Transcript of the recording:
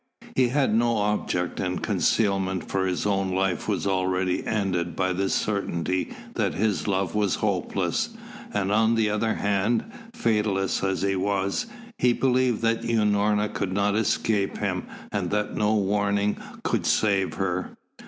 He had no object in concealment, for his own life was already ended by the certainty that his love was hopeless, and on the other hand, fatalist as he was, he believed that Unorna could not escape him and that no warning could save her.